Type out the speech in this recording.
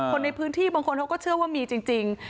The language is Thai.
คนในพื้นที่บางคนเขาก็เชื่อว่ามีจริง